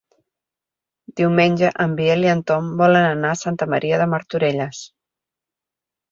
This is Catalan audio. Diumenge en Biel i en Tom volen anar a Santa Maria de Martorelles.